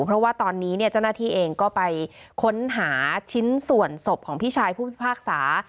เพราะว่าตอนนี้เนี่ยเจ้าหน้าที่เองก็ไปค้นหาชิ้นส่วนศพของพี่ชายผู้พิพากษา